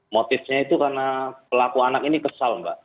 motifnya itu karena pelaku anak ini kesal mbak